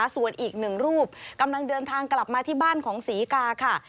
ส่วนอีกหนึ่งรูปกำลังเดินทางกลับมาที่บ้านของศรีกาค่ะ